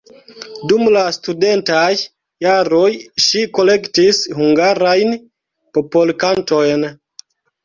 Dum la studentaj jaroj ŝi kolektis hungarajn popolkantojn.